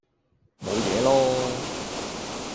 冇嘢囉